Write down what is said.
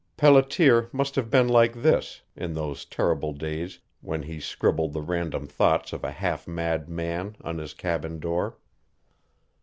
Pelletier must have been like this in those terrible days when he scribbled the random thoughts of a half mad man on his cabin door.